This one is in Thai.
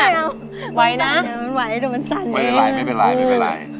ไม่เอาไหวนะมันไหวแต่มันสั่นไม่เป็นไรไม่เป็นไรไม่เป็นไร